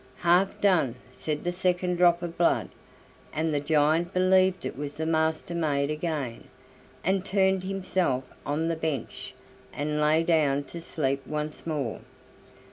"Half done!" said the second drop of blood, and the giant believed it was the Master maid again, and turned himself on the bench, and lay down to sleep once more.